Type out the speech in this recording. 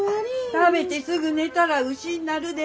食べてすぐ寝たら牛になるで。